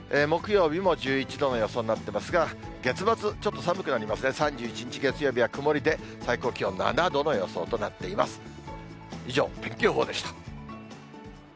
木曜日も１１度の予想になってますが、月末、ちょっと寒くなりますね、３１日月曜日は曇りで、最高気温７度の予想となっています。